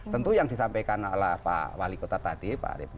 tentu yang disampaikan oleh pak wali kota tadi pak arief